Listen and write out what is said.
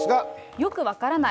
よく分からない。